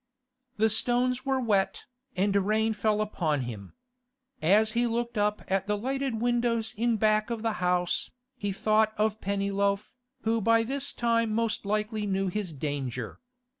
The stones were wet, and rain fell upon him. As he looked up at the lighted windows in the back of the house, he thought of Pennyloaf, who by this time most likely knew his danger.